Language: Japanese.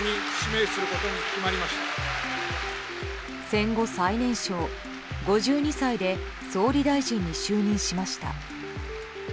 戦後最年少５２歳で総理大臣に就任しました。